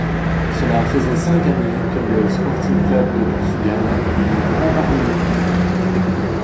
Cela faisait cinq années que le Sporting Clube de Portugal n'y était pas parvenu.